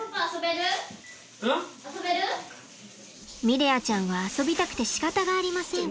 ミレアちゃんは遊びたくてしかたがありません。